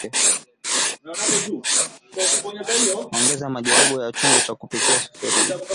Ongeza maji robo ya chungu cha kupikia sufuria